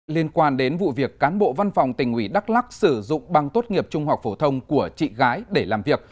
liên quan đến vụ việc cán bộ văn phòng tỉnh ủy đắk lắc sử dụng băng tốt nghiệp trung học phổ thông của chị gái để làm việc